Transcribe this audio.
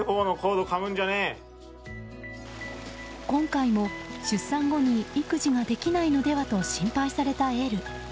今回も出産後に育児ができないのではと心配されたエル。